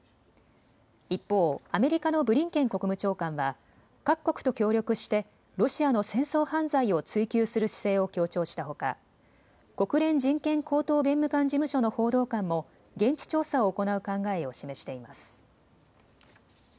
一方、アメリカのブリンケン国務長官は各国と協力してロシアの戦争犯罪を追及する姿勢を強調したほか国連人権高等弁務官事務所の報道官も現地調査を行う考えを示しています。